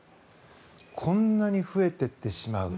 こんなに増えていってしまう。